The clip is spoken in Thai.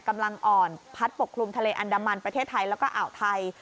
กำลังอ่อนพัดปกคลุมทะเลอันดามันประเทศไทยแล้วก็อ่าวไทย